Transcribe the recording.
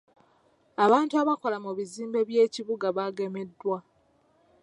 Abantu abakola mu bizimbe by'ekibuga bagemeddwa.